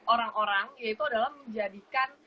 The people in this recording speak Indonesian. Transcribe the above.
orang orang yaitu adalah menjadikan